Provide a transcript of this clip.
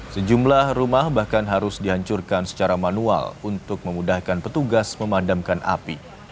sejumlah rumah bahkan harus dihancurkan secara manual untuk memudahkan petugas memadamkan api